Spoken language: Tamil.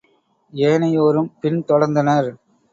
ஏனையோரும் பின் தொடர்ந்தனர்.